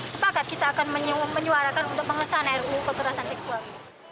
sepakat kita akan menyuarakan untuk pengesan ru kekerasan seksual